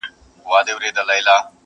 روغتیا تر هر څه غوره ده.